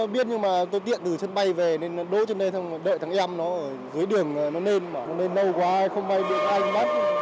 dưới đường nó lên nó lên lâu quá không ai bị ánh mắt